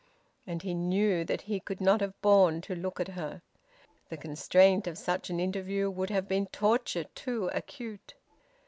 And he knew that he could not have borne to look at her. The constraint of such an interview would have been torture too acute.